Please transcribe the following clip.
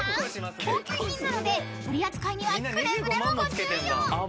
高級品なので取り扱いにはくれぐれもご注意を］